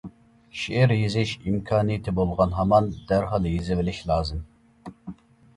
شېئىر يېزىش ئىمكانىيىتى بولغان ھامان دەرھال يېزىۋېلىش لازىم.